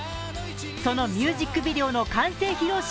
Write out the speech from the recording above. そのミュージックビデオの完成披露